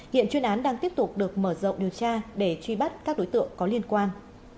hiện chuyên án đang tiếp tục được mở rộng điều tra để truy bắt các đối tượng có liên quan